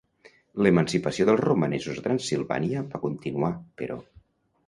L'emancipació dels romanesos a Transsilvània va continuar, però.